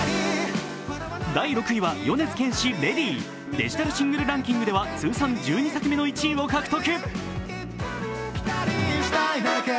デジタルシングルランキングでは通算１２作目の１位を獲得。